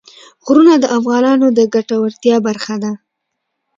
غرونه د افغانانو د ګټورتیا برخه ده.